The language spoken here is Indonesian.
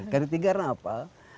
kali tiga kenapa